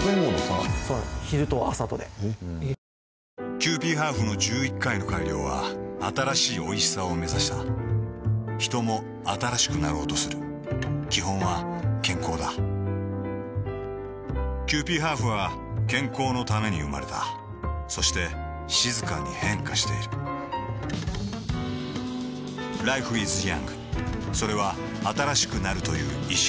キユーピーハーフの１１回の改良は新しいおいしさをめざしたヒトも新しくなろうとする基本は健康だキユーピーハーフは健康のために生まれたそして静かに変化しているＬｉｆｅｉｓｙｏｕｎｇ．それは新しくなるという意識